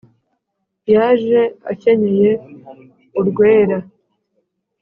yaje akenyeye urwera,